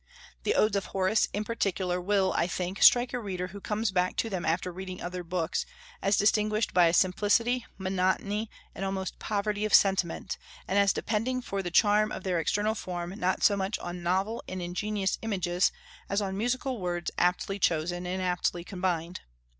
The Odes of Horace, in particular, will, I think, strike a reader who comes back to them after reading other books, as distinguished by a simplicity, monotony, and almost poverty of sentiment, and as depending for the charm of their external form not so much on novel and ingenious images as on musical words aptly chosen and aptly combined.